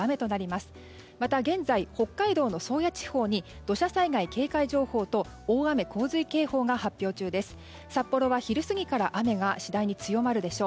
また、現在、北海道の宗谷地方に土砂災害警戒情報と大雨・洪水警報が発表中です。